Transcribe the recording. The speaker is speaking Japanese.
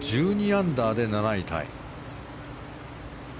１１アンダーで１０位タイ。